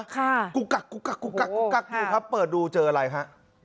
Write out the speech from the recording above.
กุกกักกุกกกกกเปิดดูเจออะไรฮะ